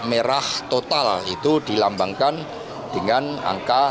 salam metal merah total itu dilambangkan dengan merah total